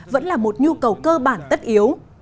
vẫn là một nhu cầu cơ bản tất yếu